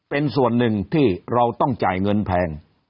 เป็นส่วนหนึ่งที่เราต้องจ่ายเงินแพง